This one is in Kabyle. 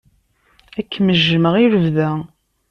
Ad kem-jjmeɣ i lebda.